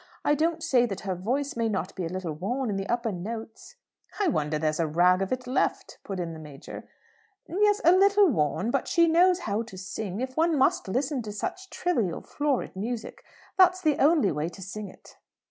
I don't say that her voice may not be a little worn in the upper notes " "I wonder there's a rag of it left," put in the Major. "Yes; a little worn. But she knows how to sing. If one must listen to such trivial, florid music, that's the only way to sing it."